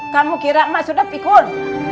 kamu kira emak sudah pikun